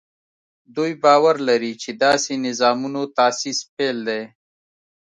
دوی باور لري چې داسې نظامونو تاسیس پیل دی.